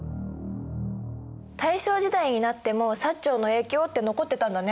大正時代になっても長の影響って残ってたんだね。